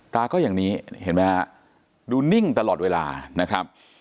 ตาก็อย่างนี้เห็นไหมฮะดูนิ่งตลอดเวลานะครับ